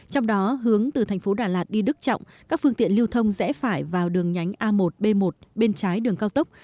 trong đó hướng từ thành phố đà lạt đi đức trọng các phương tiện lưu thông rẽ phải vào đường nhánh a một b một bên trái đường cao tốc